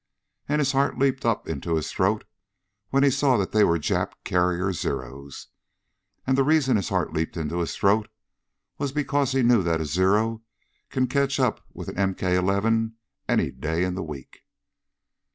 And his heart leaped up into his throat when he saw that they were Jap carrier Zeros. And the reason his heart leaped into his throat was because he knew that a Zero can catch up with an MK 11 any day in the week.